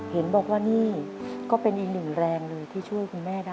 เห็นบอกว่านี่ก็เป็นอีกหนึ่งแรงเลยที่ช่วยคุณแม่ได้